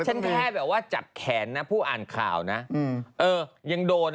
แค่แบบว่าจับแขนนะผู้อ่านข่าวนะเออยังโดน